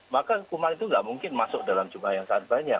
maka hukuman itu tidak mungkin masuk dalam jumlah yang sangat banyak